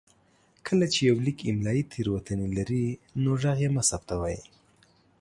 کله چې يو ليک املايي تېروتنې لري نو غږ يې مه ثبتوئ.